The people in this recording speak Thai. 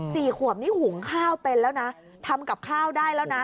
สี่ขวบนี่หุงข้าวเป็นแล้วนะทำกับข้าวได้แล้วนะ